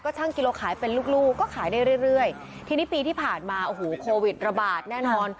ก็ช่างกิโลขายเป็นลูกก็ขายได้เรื่อยทีนี้ปีที่ผ่านมาโควิดระบาดแน่นอน